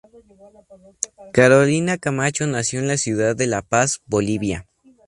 Carolina Camacho nació en la ciudad de La Paz, Bolivia.